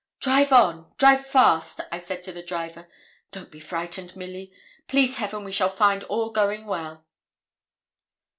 'Drive on drive fast,' I said to the driver. 'Don't be frightened, Milly; please Heaven we shall find all going well.'